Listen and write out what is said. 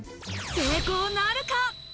成功なるか。